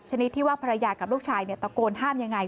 ชนิดที่ว่าภรรยากับลูกชายตะโกนห้ามยังไง